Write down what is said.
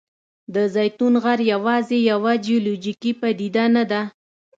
د زیتون غر یوازې یوه جیولوجیکي پدیده نه ده.